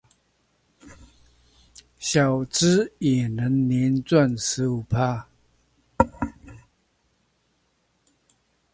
小資也能年賺十五趴